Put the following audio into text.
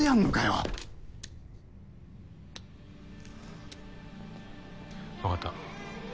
わかった。